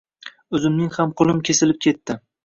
O`zimning ham qo`lim kesilib ketdi